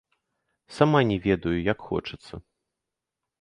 Сама не ведаю, як хочацца!